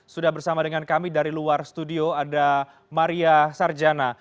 sudah bersama dengan kami dari luar studio ada maria sarjana